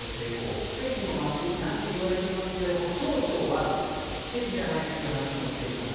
奇跡の町なんて言われていますけど、町長は奇跡じゃないという話もしていました。